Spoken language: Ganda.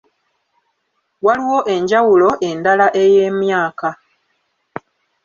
Waliwo enjawulo endala ey'emyaka.